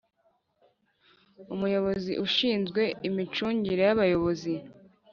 Umuyobozi ushinzwe Imicungire y Abakozi